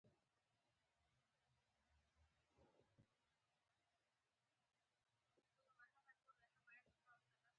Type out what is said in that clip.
څخه پیل او د میوند واټ، چنداول